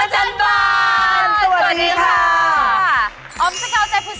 สวัสดีค่ะอ่่อมชะกาวแช่ผู้สวดคิด